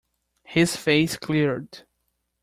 His face cleared.